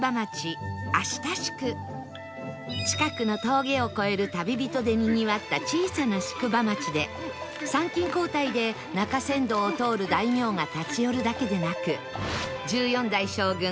近くの峠を越える旅人でにぎわった小さな宿場町で参勤交代で中山道を通る大名が立ち寄るだけでなく１４代将軍